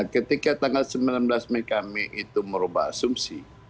ketika tanggal sembilan belas mei kami itu merubah asumsi